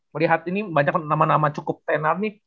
melihat ini banyak nama nama cukup tenar nih